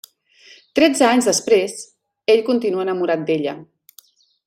Tretze anys després, ell continua enamorat d'ella.